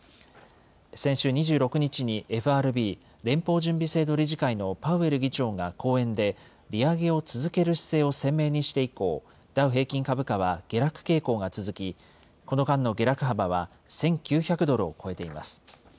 先週２６日に、ＦＲＢ・連邦準備制度理事会のパウエル議長が講演で、利上げを続ける姿勢を鮮明にして以降、ダウ平均株価は下落傾向が続き、この間の下落幅は１９００ドルを超えています。